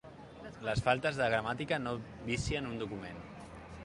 Les faltes de gramàtica no vicien un document.